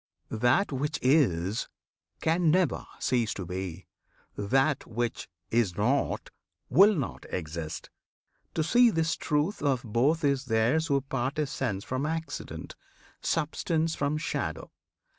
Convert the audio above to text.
That which is Can never cease to be; that which is not Will not exist. To see this truth of both Is theirs who part essence from accident, Substance from shadow.